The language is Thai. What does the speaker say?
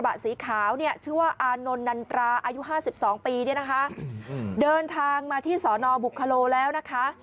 ๕๒ปีนี้นะคะเดินทางมาที่สอนอบุคคโลแล้วนะคะ